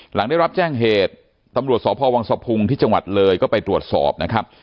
หลังได้รับแจ้งเหตุตำรวจสพวังสะพุงที่จังหวัดเลยก็ไปตรวจสอบนะครับ